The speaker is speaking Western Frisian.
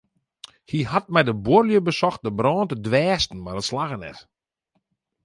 Hy hat mei de buorlju besocht de brân te dwêsten mar dat slagge net.